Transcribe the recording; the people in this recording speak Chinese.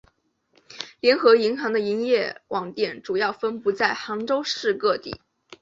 联合银行的营业网点主要分布在杭州市各地。